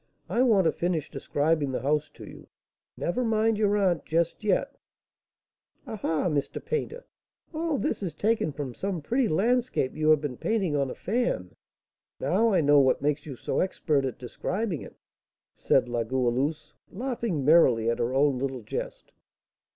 I want to finish describing the house to you; never mind your aunt just yet." "Ah, ha, Mr. Painter! All this is taken from some pretty landscape you have been painting on a fan. Now I know what makes you so expert at describing it!" said La Goualeuse, laughing merrily at her own little jest.